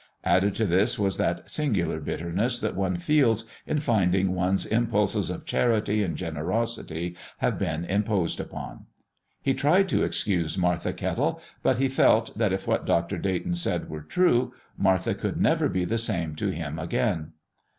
Added to this was that singular bitterness that one feels in finding that one's impulses of charity and generosity have been imposed upon. He tried to excuse Martha Kettle, but he felt that if what Dr. Dayton said were true, Martha could never be the same to him again.